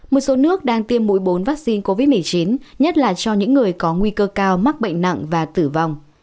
một số nước đang tiêm mũi bốn vaccine covid một mươi chín nhất là cho những người có nguy cơ cao mắc bệnh nặng và tử vong